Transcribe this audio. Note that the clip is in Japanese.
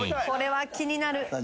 これは気になる。